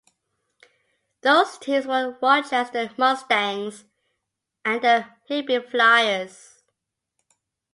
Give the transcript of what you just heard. Those teams were the Rochester Mustangs and the Hibbing Flyers.